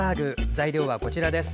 材料はこちらです。